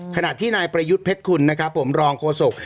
ขณะที่นายประยุทธ์เพชรคุณนะครับผมรองโฆษก